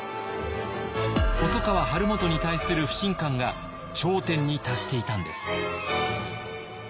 細川晴元に対する不信感が頂点に達していたんです。